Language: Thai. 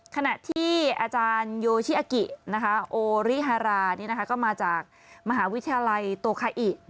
ขณะที่อาจารย์โยชิอากิโอริฮาราก็มาจากมหาวิทยาลัยโตคาอิ